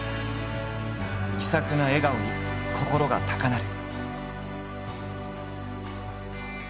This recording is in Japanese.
気さくな笑顔に心が高鳴る。